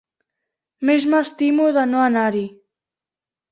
Més m'estimo de no anar-hi.